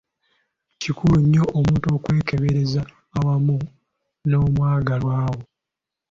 Kikulu nnyo omuntu okwekebereza awamu n’omwagalwa wo.